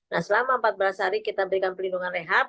nah selama empat belas hari kita memberikan perlindungan rehab